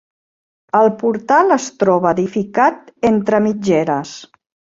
El portal es troba edificat entre mitgeres.